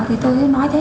thì tôi nói thế